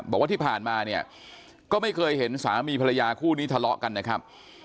บอกว่าที่ผ่านมาเนี่ยก็ไม่เคยเห็นสามีภรรยาคู่นี้ทะเลาะกันนะครับ